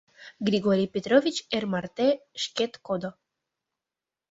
Григорий Петрович эр марте шкет кодо.